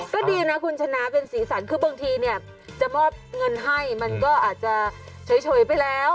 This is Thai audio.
ก็ดีนะคุณชนะเป็นสีสันคือบางทีเนี่ยจะมอบเงินให้มันก็อาจจะเฉยไปแล้ว